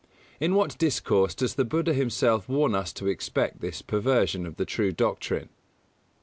_In what discourse does the Buddha himself warn us to expect this perversion of the true Doctrine?